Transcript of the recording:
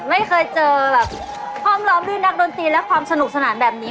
ไม่เคยเจอแบบพร้อมล้อมด้วยนักดนตรีและความสนุกสนานแบบนี้